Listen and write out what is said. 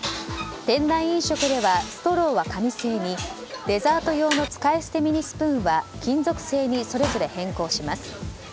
店内飲食ではストローは紙製にデザート用の使い捨てミニスプーンは金属製にそれぞれ変更します。